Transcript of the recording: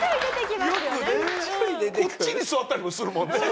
こっちに座ったりもするもんね。